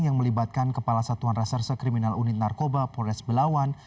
yang melibatkan kepala satuan reserse kriminal unit narkoba polres belawan